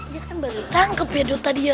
dia kan baru ditangkep ya dut tadi ya